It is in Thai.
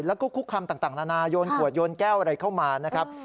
แล้วก็คุกคำต่างนานาโยนขวดโยนแก้วอะไรเข้ามานะครับ